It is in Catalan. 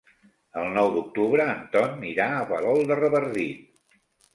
El nou d'octubre en Ton irà a Palol de Revardit.